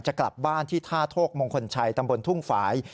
จะกลับบ้านที่ท่าโทกมงคลชัยตำบลทุ่งฝ่าย